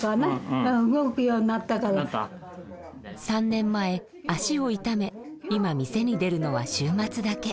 ３年前足を痛め今店に出るのは週末だけ。